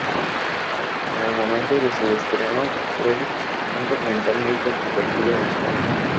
En el momento de su estreno fue un documental muy controvertido en España.